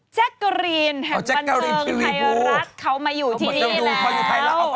แจ๊กกะรีนแห่งบันเทิงไทยรัฐเขามาอยู่ที่นี่แหละ